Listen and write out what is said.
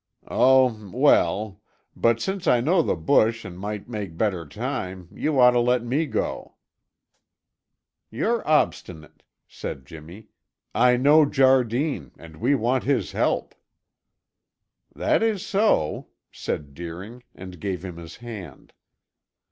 "Oh, well; but since I know the bush and might make better time, you ought to let me go." "You're obstinate," said Jimmy. "I know Jardine and we want his help." "That is so," said Deering and gave him his hand.